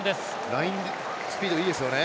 ラインスピードいいですね。